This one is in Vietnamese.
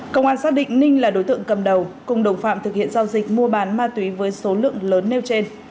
công an xác định ninh là đối tượng cầm đầu cùng đồng phạm thực hiện giao dịch mua bán ma túy với số lượng lớn nêu trên